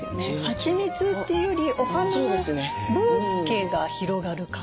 はちみつというよりお花のブーケが広がる感じです。